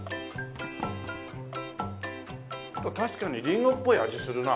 確かにリンゴっぽい味するな。